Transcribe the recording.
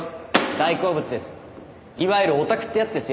大好物です。